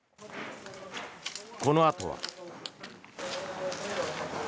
このあとは。